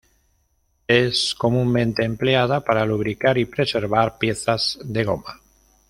Es comúnmente empleada para lubricar y preservar piezas de goma.